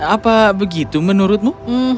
apa begitu menurutmu